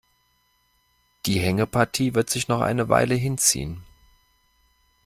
Die Hängepartie wird sich noch eine Weile hinziehen.